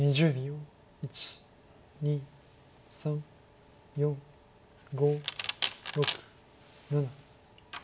１２３４５６７。